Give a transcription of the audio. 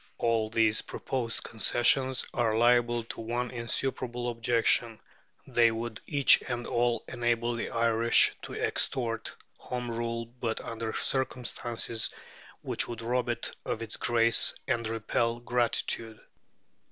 All these proposed concessions are liable to one insuperable objection; they would each and all enable the Irish to extort Home Rule, but under circumstances which would rob it of its grace and repel gratitude.